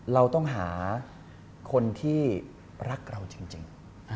เราต้องหาคนที่รักเราจริง